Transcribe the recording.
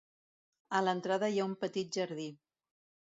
A l'entrada hi ha un petit jardí.